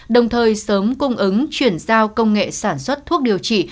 đồng thời sớm cung ứng chuyển giao công nghệ sản xuất thuốc điều trị